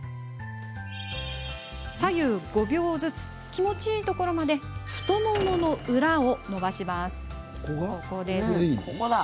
左右５秒ずつ気持ちいいところまで太ももの裏を伸ばします。